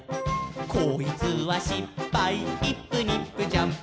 「こいつはしっぱいイップニップジャンプ」